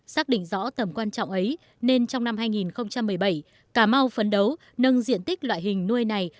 xác định rõ tầm quan trọng ấy nên trong năm hai nghìn một mươi bảy cà mau phấn đấu nâng diện tích loại hình nuôi này